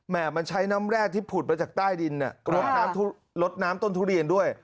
มันใช้น้ำแร่ที่ผุดมาจากใต้ดินลดน้ำลดน้ำต้นทุเรียนด้วย